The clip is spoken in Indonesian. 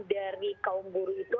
dari kaum buru itu